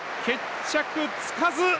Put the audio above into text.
決着つかず！